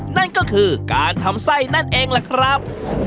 นั่นก็คือการทำไส้นั่นเองล่ะครับ